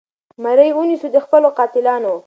مرۍ ونیسو د خپلو قاتلانو